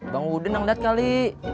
bang udin yang lihat kali